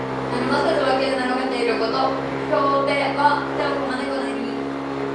何もせずに脇で眺めていること。「拱手」は手をこまぬくの意味。